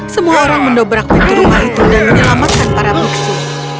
semua orang mendobrak pintu rumah itu dan menyelamatkan para buksu